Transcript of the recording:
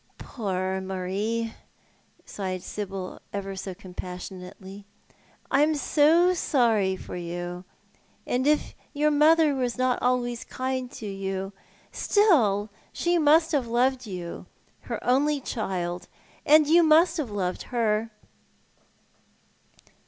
" Poor Marie," sighed Sibyl, ever so compassionately, " I am so sorry for you. And if your mother was not always kind to you — still she must have loved you — her only child— and you must have loved her."